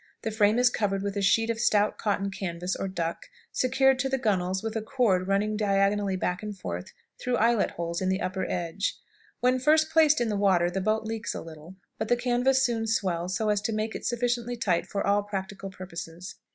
The frame is covered with a sheet of stout cotton canvas, or duck, secured to the gunwales with a cord running diagonally back and forth through eyelet holes in the upper edge. When first placed in the water the boat leaks a little, but the canvas soon swells so as to make it sufficiently tight for all practical purposes.